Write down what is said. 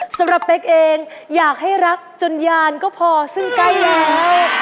เป๊กเองอยากให้รักจนยานก็พอซึ่งใกล้แล้ว